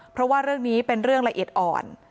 เพราะว่าเรื่องนี้เป็นเรื่องละเอียดอ่อน